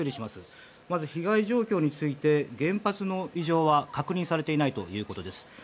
まず被害状況について原発の異常は確認されていないということです。